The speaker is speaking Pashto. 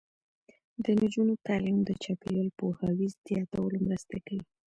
د نجونو تعلیم د چاپیریال پوهاوي زیاتولو مرسته کوي.